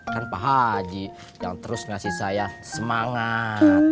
kan pak haji yang terus ngasih saya semangat